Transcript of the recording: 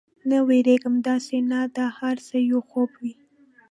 نه، وېرېږم، داسې نه دا هر څه یو خوب وي.